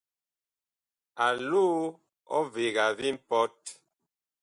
A loo ɔvega vi mpɔt.